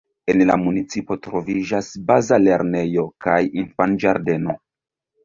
En la municipo troviĝas Baza lernejo kaj Infanĝardeno.